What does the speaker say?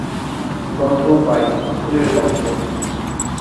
গন্ধও পাই, ফুলের গন্ধ।